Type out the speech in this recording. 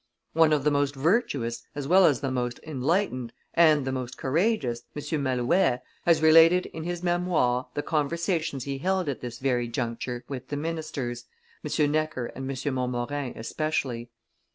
One of the most virtuous as well as the most enlightened and the most courageous, M. Malouet, has related in his Memoires the conversations he held at this very juncture with the ministers, M. Necker and M. de Montmorin especially.